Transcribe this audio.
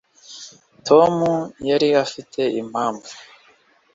tom yari afite impamvu